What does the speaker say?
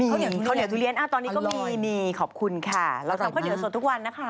ข้าวเหนียวทุเรียนตอนนี้ก็มีนี่ขอบคุณค่ะเราทำข้าวเหนียวสดทุกวันนะคะ